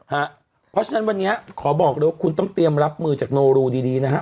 เพราะฉะนั้นวันนี้ขอบอกเลยว่าคุณต้องเตรียมรับมือจากโนรูดีนะฮะ